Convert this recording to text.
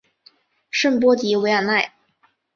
圣波迪韦尔奈。